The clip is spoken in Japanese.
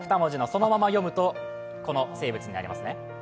そのまま読むと、この生物になりますね。